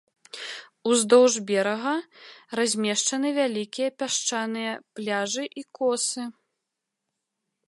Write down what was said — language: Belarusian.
Уздоўж берага размешчаны вялікія пясчаныя пляжы і косы.